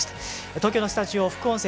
東京のスタジオ、副音声